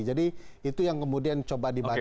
jadi itu yang kemudian coba dibantah